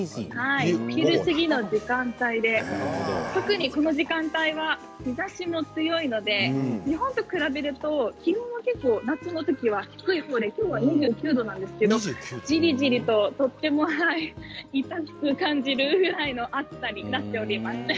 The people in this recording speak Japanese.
昼過ぎの時間帯で特にこの時間帯は日ざしも強いので日本と比べると気温は低い方で２９度なんですがじりじりと痛く感じるぐらいの暑さになっています。